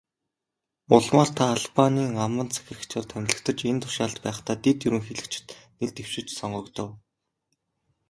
Улмаар та Албанийн амбан захирагчаар томилогдож, энэ тушаалд байхдаа дэд ерөнхийлөгчид нэр дэвшиж, сонгогдов.